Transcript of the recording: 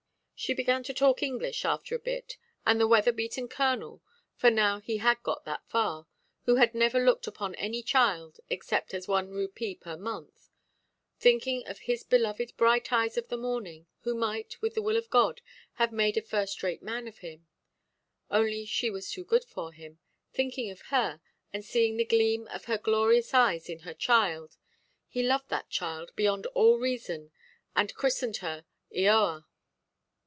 She began to talk English, after a bit; and the weather beaten Colonel—for now he had got that far—who had never looked upon any child, except as one rupee per month—thinking of his beloved Bright Eyes of the Morning, who might, with the will of God, have made a first–rate man of him, only she was too good for him,—thinking of her, and seeing the gleam of her glorious eyes in her child, he loved that child beyond all reason, and christened her "Eoa."